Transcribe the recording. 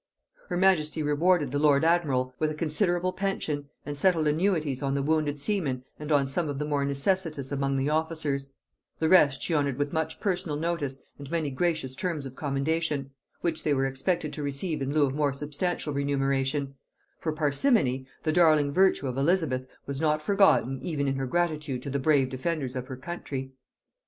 Her majesty rewarded the lord admiral with a considerable pension, and settled annuities on the wounded seamen and on some of the more necessitous among the officers; the rest she honored with much personal notice and many gracious terms of commendation, which they were expected to receive in lieu of more substantial remuneration; for parsimony, the darling virtue of Elizabeth, was not forgotten even in her gratitude to the brave defenders of her country.